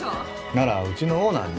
ならうちのオーナーに。